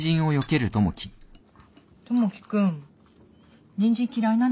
友樹君ニンジン嫌いなの？